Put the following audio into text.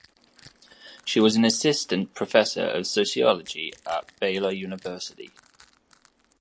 She was an assistant professor of sociology at Baylor University.